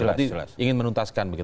berarti ingin menuntaskan begitu ya